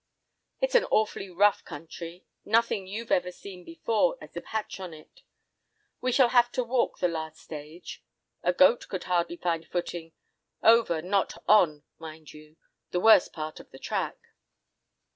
"It's an awfully rough country—nothing you've ever seen before is a patch on it. We shall have to walk the last stage. A goat could hardly find footing, over not on, mind you, the worst part of the track.